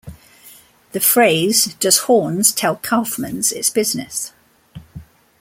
The phrase Does Horne's tell Kaufmann's its business?